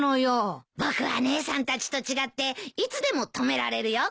僕は姉さんたちと違っていつでも止められるよ。